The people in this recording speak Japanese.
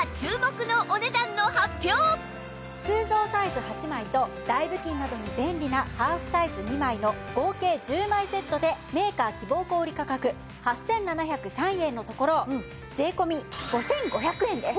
それでは通常サイズ８枚と台布巾などに便利なハーフサイズ２枚の合計１０枚セットでメーカー希望小売価格８７０３円のところ税込５５００円です。